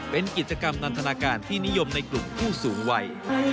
เป็นกิจกรรมนันทนาการที่นิยมในกลุ่มผู้สูงวัย